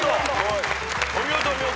お見事お見事。